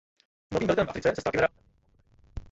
Novým velitelem v Africe se stal generál Bernard Montgomery.